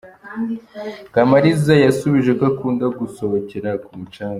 kamariza yasubije ko akunda gusohokera ku mucanga.